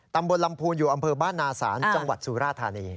ตำบลลำพูนอยู่อำเภอบ้านนาศาลจังหวัดสุราธานี